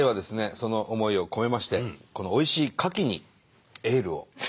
その思いを込めましてこのおいしいかきにエールを。